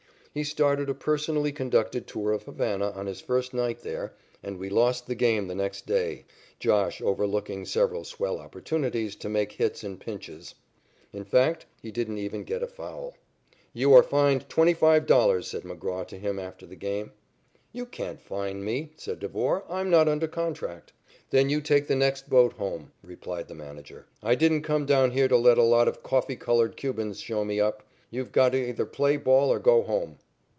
He started a personally conducted tour of Havana on his first night there and we lost the game the next day, "Josh" overlooking several swell opportunities to make hits in pinches. In fact he didn't even get a foul. "You are fined $25," said McGraw to him after the game. "You can't fine me," said Devore. "I'm not under contract." "Then you take the next boat home," replied the manager. "I didn't come down here to let a lot of coffee colored Cubans show me up. You've got to either play ball or go home."